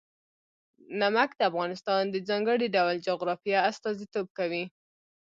نمک د افغانستان د ځانګړي ډول جغرافیه استازیتوب کوي.